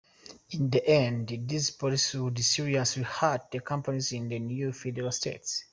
In the end, this policy would seriously hurt companies in the new federal states.